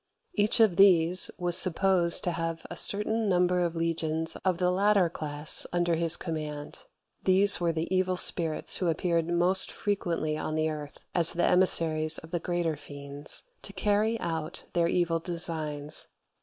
Each of these was supposed to have a certain number of legions of the latter class under his command. These were the evil spirits who appeared most frequently on the earth as the emissaries of the greater fiends, to carry out their evil designs.